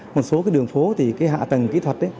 một số cái đường phố thì cái hạ tầng kỹ thuật ấy